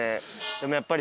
でもやっぱり。